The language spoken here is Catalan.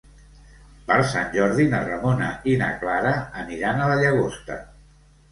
Per Sant Jordi na Ramona i na Clara aniran a la Llagosta.